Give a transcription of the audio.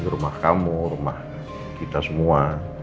rumah kamu rumah kita semua